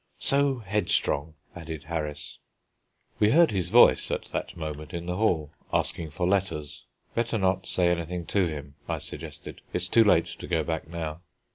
"So headstrong," added Harris. We heard his voice at that moment in the hall, asking for letters. "Better not say anything to him," I suggested; "it's too late to go back now."